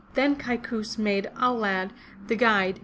Then Kaikous made Aulad, the guide.